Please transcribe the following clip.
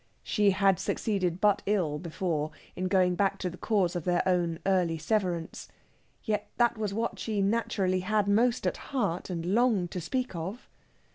She had succeeded but ill before in going back to the cause of their own early severance. Yet that was what she naturally had most at heart, and longed to speak of.